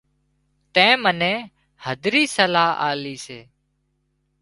تين منين هڌري صلاح آلي سي